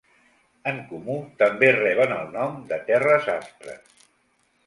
En comú també reben el nom de Terres Aspres.